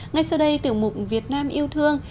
ngay sau đây tiểu mục việt nam yêu thương